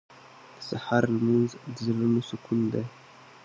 • د سهار لمونځ د زړونو سکون دی.